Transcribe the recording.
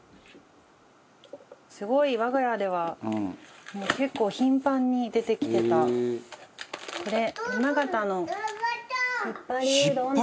すごい我が家では結構頻繁に出てきてたこれ。